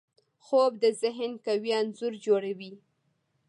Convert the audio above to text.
خوب د ذهن قوي انځور جوړوي